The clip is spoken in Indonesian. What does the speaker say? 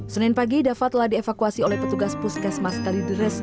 senin pagi dafa telah dievakuasi oleh petugas puskesmas kalideres